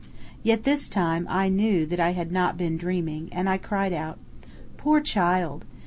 Yet this time I knew that I had not been dreaming, and I cried out: "Poor child!